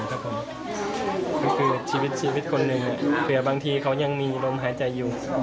ก็คือชีวิตชีวิตคนหนึ่งเผื่อบางทีเขายังมีลมหายใจอยู่